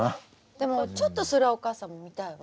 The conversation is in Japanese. でもちょっとそれはお母さんも見たいわ。